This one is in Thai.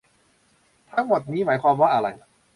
ทั้งหมดนี้หมายความว่าอะไร